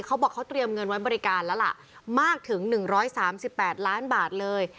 เขาบอกเขาเตรียมเงินไว้บริการแล้วล่ะมากถึงหนึ่งร้อยสามสิบแปดล้านบาทเลย